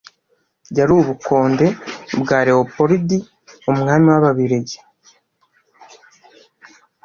yari ubukonde bwa Lewopolidi , umwami w’Ababiligi.